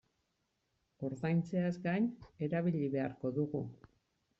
Ordaintzeaz gain erabili beharko dugu.